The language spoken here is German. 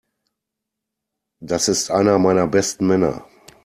Das ist einer meiner besten Männer.